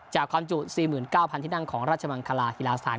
ความจุ๔๙๐๐ที่นั่งของราชมังคลาฮิลาสถาน